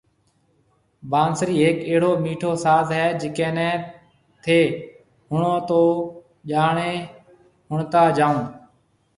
بانسري ھيَََڪ اھڙو مٺو ساز ھيَََ جڪي ني ٿي ۿڻۿو تو جاڻي ۿڻتا جائون